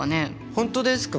本当ですか？